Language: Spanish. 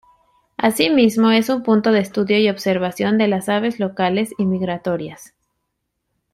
Asimismo es un punto de estudio y observación de las aves locales y migratorias.